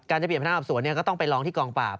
จะเปลี่ยนพนักอับสวนก็ต้องไปร้องที่กองปราบ